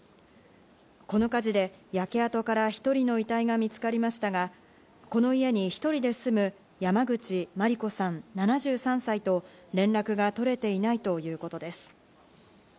この火事で焼け跡から１人の遺体が見つかりましたがこの家に１人で住む山口まり子さん７３歳と連絡が取れていないということです。